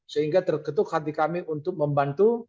sehingga terketuk hati kami untuk membantu